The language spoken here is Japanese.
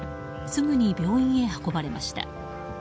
すぐに病院へ運ばれました。